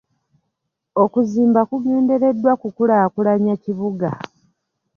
Okuzimba kugendereddwa kukulaakulanya kibuga.